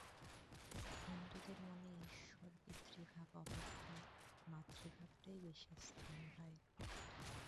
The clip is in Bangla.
হিন্দুদের মনে ঈশ্বরের পিতৃভাব অপেক্ষা মাতৃভাবটিই বেশী স্থান পায়।